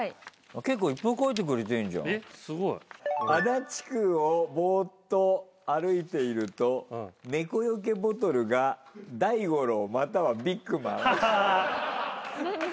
「足立区をボーっと歩いていると猫よけボトルが大五郎またはビッグマン」